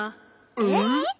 えっ？